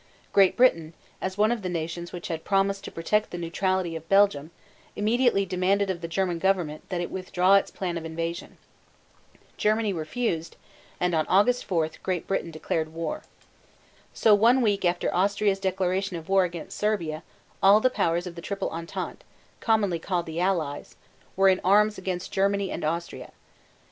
Great Britain, as one of the nations which had promised to protect the neutrality of Belgium, immediately demanded of the German government that it withdraw its plan of invasion. Germany refused, and on August 4 Great Britain declared war. So one week after Austria's declaration of war against Serbia all the powers of the Triple Entente commonly called the Allies were in arms against Germany and Austria.